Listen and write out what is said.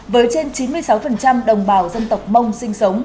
với trên chín mươi sáu đồng bào dân tộc mông sinh sống